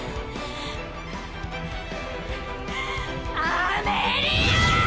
アメリア！